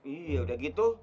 iya udah gitu